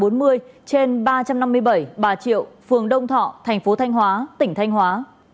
đường ht hai mươi bảy bà triệu phường đông thọ tp thanh hóa tỉnh thanh hóa